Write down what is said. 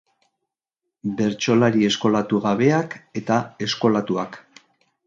Bertsolari eskolatu gabeak eta eskolatuak.